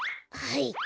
はい。